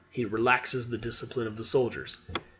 He relaxes the discipline of the soldiers.